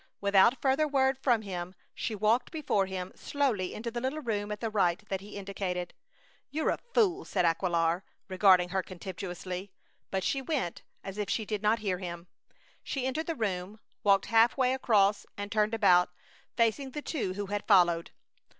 Without further word from him she walked before him, slowly, into the little room at the right that he indicated. "You're a fool!" said Aquilar, regarding her contemptuously, but she went as if she did not hear him. She entered the room, walked half way across, and turned about, facing the two who had followed.